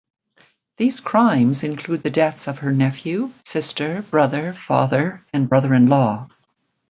These crimes include the deaths of her nephew, sister, brother, father and brother-in-law.